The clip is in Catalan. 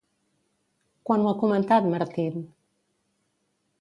Quan ho ha comentat Martin?